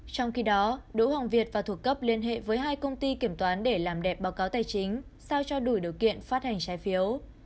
trong khi đó đỗ hoàng việt và thuộc cấp liên hệ với hai công ty kiểm toán để làm đẹp báo cáo tài chính sao cho đủ điều kiện phát hành trái phiếu